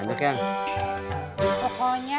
masih banyak ya